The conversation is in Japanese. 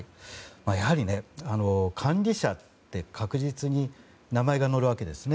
やはり管理者って確実に名前が載るわけです。